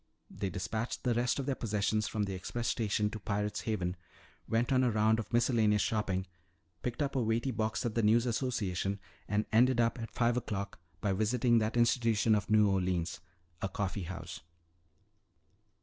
They despatched the rest of their possessions from the express station to Pirate's Haven, went on a round of miscellaneous shopping, picked up a weighty box at the News Association, and ended up at five o'clock by visiting that institution of New Orleans, a coffee house.